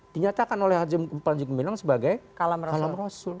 dinyatakan oleh haji mublan jikun bilang sebagai kalam rasul